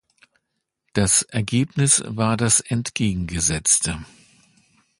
Das Ergebnis war das Entgegengesetzte.